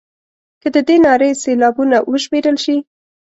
که د دې نارې سېلابونه وشمېرل شي.